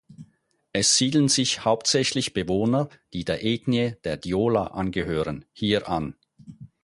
Es siedeln sich hauptsächlich Bewohner, die der Ethnie der Diola angehören, hier an.